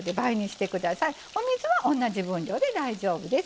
お水は同じ分量で大丈夫です。